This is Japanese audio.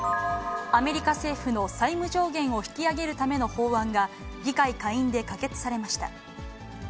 アメリカ政府の債務上限を引き上げるための法案が、議会下院で可決されました。